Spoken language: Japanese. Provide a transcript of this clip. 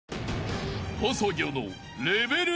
［細魚の］